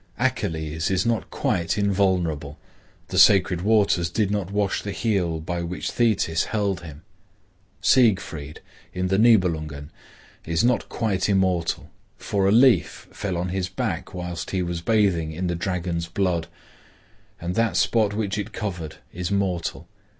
Achilles is not quite invulnerable; the sacred waters did not wash the heel by which Thetis held him. Siegfried, in the Nibelungen, is not quite immortal, for a leaf fell on his back whilst he was bathing in the dragon's blood, and that spot which it covered is mortal.